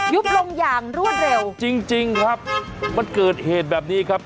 ยุบลงอย่างรวดเร็วจริงจริงครับมันเกิดเหตุแบบนี้ครับ